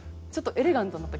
エレガントになった。